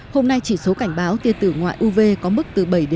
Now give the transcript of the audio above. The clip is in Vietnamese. hôm nay chỉ số cảnh báo tia tử ngoại uv có mức từ bảy một mươi